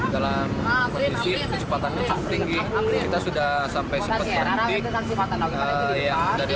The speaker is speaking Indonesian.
dalam kondisi kecepatannya cukup tinggi kita sudah sampai sempat berhenti